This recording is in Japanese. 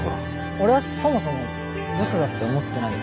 俺はそもそもブスだって思ってないよ。